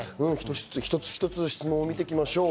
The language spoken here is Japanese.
一つ一つ質問を見ていきましょう。